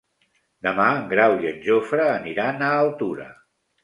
Demà en Grau i en Jofre aniran a Altura.